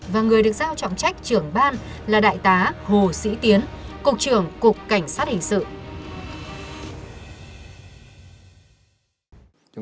và người được giao trọng trách trưởng ban là đại tá hồ sĩ tiến cục trưởng cục cảnh sát hình sự